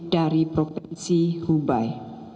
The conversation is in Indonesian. dari provinsi hubei